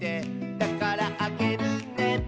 「だからあげるね」